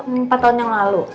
empat tahun yang lalu